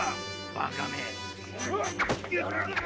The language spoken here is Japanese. バカめっ！